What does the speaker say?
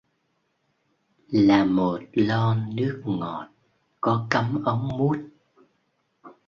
Là một lon nước ngọt có cắm ống mút